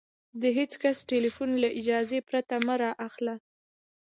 د هېڅ کس ټلیفون له اجازې پرته مه را اخلئ!